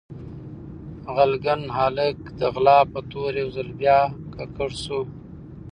غلګن هالک د غلا په تور يو ځل بيا ککړ سو